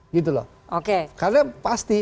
gitu loh karena pasti